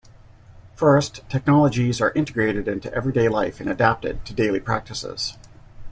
First, technologies are integrated into everyday life and adapted to daily practices.